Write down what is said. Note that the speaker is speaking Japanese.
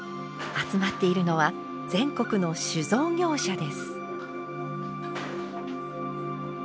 集まっているのは全国の酒造業者です。